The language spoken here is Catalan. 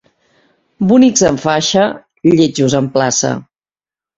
Bonics en faixa, lletjos en plaça.